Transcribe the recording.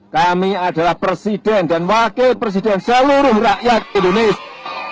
kami adalah presiden dan wakil presiden seluruh rakyat indonesia